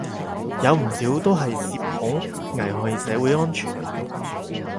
有唔少都係涉恐，危害社會安全